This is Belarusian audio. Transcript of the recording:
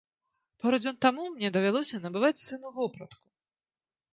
Пару дзён таму мне давялося набываць сыну вопратку.